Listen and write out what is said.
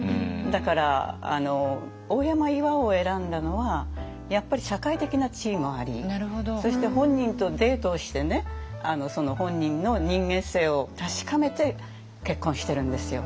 だから大山巌を選んだのはやっぱり社会的な地位もありそして本人とデートをしてねその本人の人間性を確かめて結婚してるんですよ。